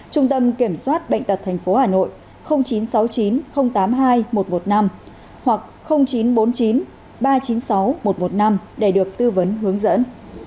trung tâm kiểm soát bệnh tật tp hà nội chín trăm sáu mươi chín tám mươi hai một trăm một mươi năm hoặc chín trăm bốn mươi chín ba trăm chín mươi sáu một trăm một mươi năm để được tư vấn hướng dẫn